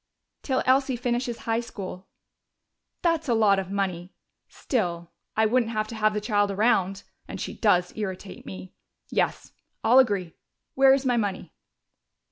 "Till Elsie finishes high school." "That's a lot of money.... Still, I wouldn't have to have the child around. And she does irritate me.... Yes, I'll agree. Where is my money?"